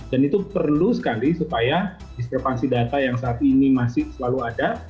dan itu perlu sekali supaya diskrepansi data yang saat ini masih selalu ada